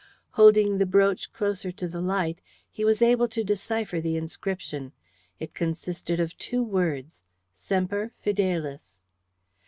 Holding the brooch closer to the light, he was able to decipher the inscription. It consisted of two words "Semper Fidelis."